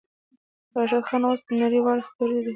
راشد خان اوس نړۍوال ستوری دی.